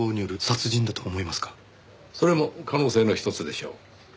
それも可能性のひとつでしょう。